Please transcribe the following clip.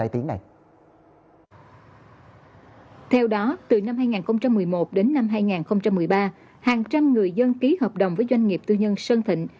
theo đó từ năm hai nghìn một mươi một đến năm hai nghìn một mươi ba hàng trăm người dân ký hợp đồng với doanh nghiệp tư nhân sơn thịnh